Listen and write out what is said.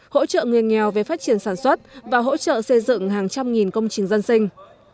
hỗ trợ người nghèo về phát triển sản xuất và hỗ trợ xây dựng hàng trăm nghìn công trình dân sinh